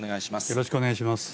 よろしくお願いします。